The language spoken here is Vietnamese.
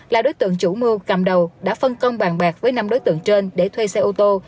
là đối tượng chủ mưu cầm đầu đã phân công bàn bạc với năm đối tượng trên để thuê xe ô tô